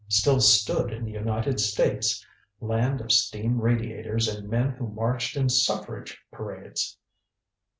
Still stood in the United States land of steam radiators and men who marched in suffrage parades!